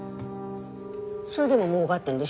それでももうがってんでしょ？